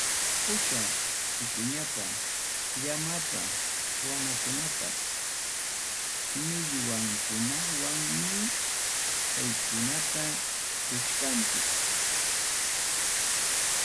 Paquchapa, wikuñapa, llamapa, wanakupapas millmanwankunawanmi qaytukunata puchkanchik.